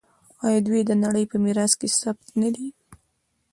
آیا دوی د نړۍ په میراث کې ثبت نه دي؟